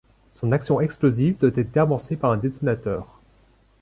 Son action explosive doit être amorcée par un détonateur.